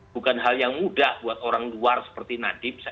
bukan hal yang mudah buat orang luar seperti nadiem